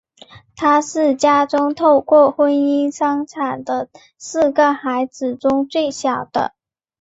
他是家中透过婚姻生产的四个孩子中最小的。